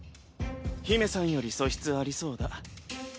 姫さんより素質ありそうだ。